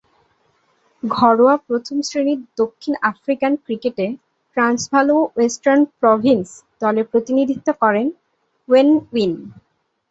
ঘরোয়া প্রথম-শ্রেণীর দক্ষিণ আফ্রিকান ক্রিকেটে ট্রান্সভাল ও ওয়েস্টার্ন প্রভিন্স দলের প্রতিনিধিত্ব করেন ওয়েন উইন।